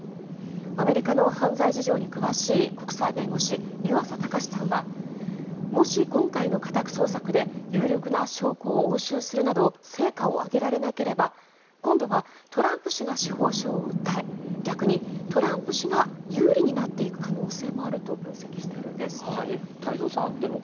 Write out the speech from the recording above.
アメリカの犯罪事情に詳しい国際弁護士、湯浅卓さんはもし今回の家宅捜索で有力な証拠を押収するなど成果を上げられなければ今度はトランプ氏が司法省を訴え逆にトランプ氏が有利になっていく可能性があると分析しているんです。